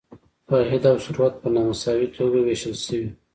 عاید او ثروت په نا مساوي توګه ویشل شوی.